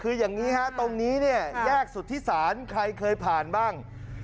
คือย่างนี้ฮะตรงนี้นี่แยกศุษธศาสตร์ใครเคยผ่านบ้าง